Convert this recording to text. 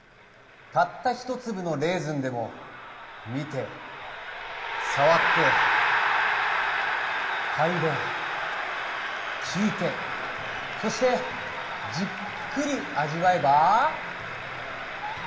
たった１粒のレーズンでも見て触って嗅いで聞いてそしてじっくり味わえば。